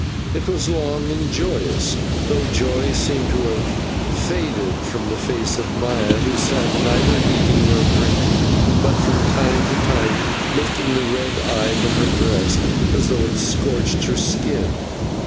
It was long and joyous, though joy seemed to have faded from the face of Maya, who sat neither eating nor drinking, but from time to time lifting the red eye from her breast as though it scorched her skin.